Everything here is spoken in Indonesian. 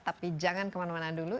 tapi jangan kemana mana dulu